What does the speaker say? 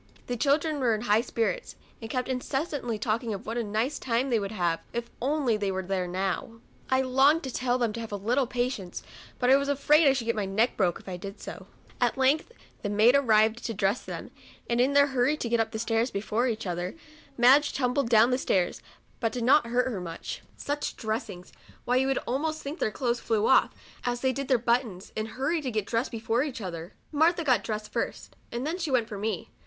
The children were in high spirits, and kept incessantly talking of what a nice time they would have if they were only there now. I longed to tell them to have a little patience, but I was afraid I should get my neck broke if I did so. At length the maid arrived to dress them, and in their hurry to get up stairs before each other, Madge tumbled down stairs, but did not hurt her much. Such dressing, why you would almost think their clothes flew off, as did their buttons, in their hurry to get dressed before each other. Martha got dressed first, and then she went for me.